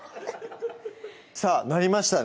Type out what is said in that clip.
さぁ鳴りましたね